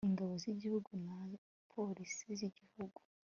ingabo z'igihugu na polisi y'igihugu